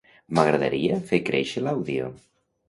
M'agradaria fer créixer l'àudio.